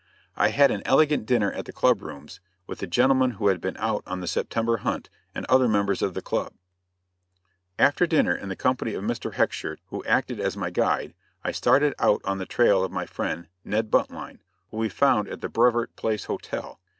I had an elegant dinner at the club rooms, with the gentlemen who had been out on the September hunt, and other members of the club. After dinner, in company with Mr. Hecksher who acted as my guide I started out on the trail of my friend, Ned Buntline, whom we found at the Brevoort Place Hotel.